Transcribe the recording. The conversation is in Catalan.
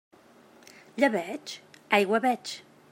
Llebeig?, aigua veig.